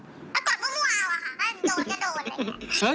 จอดว่าค่ะโดนจะโดนเลย